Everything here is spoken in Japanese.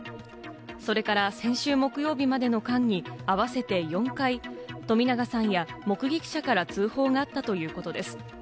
それから先週木曜日までの間に合わせて４回、冨永さんや目撃者から通報があったということです。